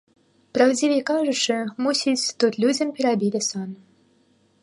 Праўдзівей кажучы, мусіць, тут людзям перабілі сон.